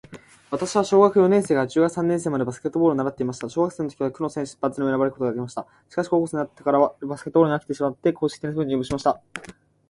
私は小学四年生から中学三年生までバスケットボールを習っていました。小学生の時は区の選抜にも選ばれることができました。しかし、高校生になってからバスケットボールに飽きてしまって硬式テニス部に入部しました。